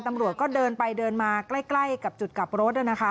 ตำรวจก็เดินไปเดินมาใกล้กับจุดกลับรถนะคะ